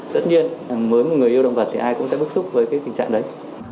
tất nhiên với một người yêu động vật thì ai cũng sẽ bức xúc với cái tình trạng đấy